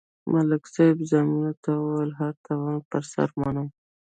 ملک صاحب زامنو ته ویل: هر تاوان پر سر منم.